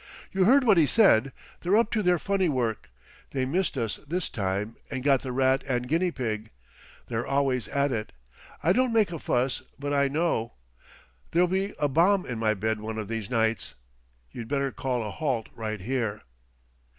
"You heard what he said. They're up to their funny work. They missed us this time and got the rat and guinea pig. They're always at it. I don't make a fuss; but I know. There'll be a bomb in my bed one of these nights. You'd better call a halt right here."